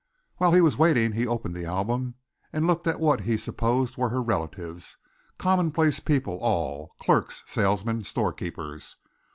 While he was waiting he opened the album and looked at what he supposed were her relatives commonplace people, all clerks, salesmen, store keepers.